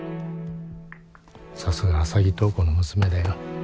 さすが浅葱塔子の娘だよ